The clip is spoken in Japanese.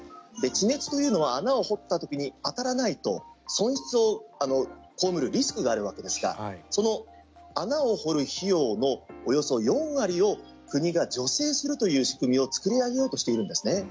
地熱というのは穴を掘った時に当たらないと、損失を被るリスクがあるわけですがその穴を掘る費用のおよそ４割を国が助成するという仕組みを作り上げようとしているんです。